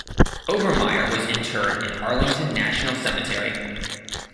Overmyer was interred in Arlington National Cemetery.